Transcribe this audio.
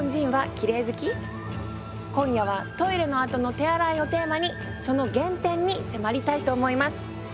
今夜はトイレのあとの手洗いをテーマにその原点に迫りたいと思います。